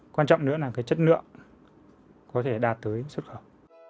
quan trọng nữa là cái chất lượng có thể đạt tới xuất khẩu